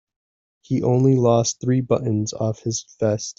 He only lost three buttons off his vest.